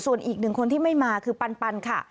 ส่วนอีกหนึ่งคนที่ไม่มาคือปันค่ะ